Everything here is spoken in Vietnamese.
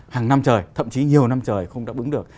hàng năm trời thậm chí nhiều năm trời không đáp ứng được